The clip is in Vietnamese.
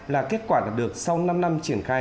là kết quả được sau năm năm triển khai